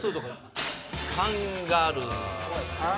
カンガルー。